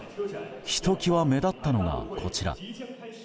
ひときわ目立ったのがこちら。